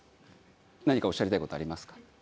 何かおっしゃりたい事ありますか？